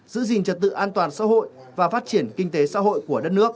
giữ gìn trật tự an toàn xã hội và phát triển kinh tế xã hội của đất nước